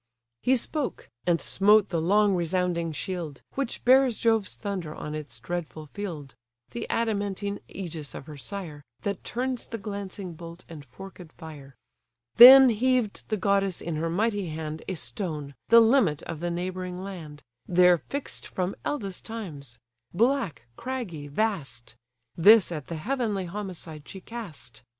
He spoke, and smote the long resounding shield, Which bears Jove's thunder on its dreadful field: The adamantine ægis of her sire, That turns the glancing bolt and forked fire. Then heaved the goddess in her mighty hand A stone, the limit of the neighbouring land, There fix'd from eldest times; black, craggy, vast; This at the heavenly homicide she cast.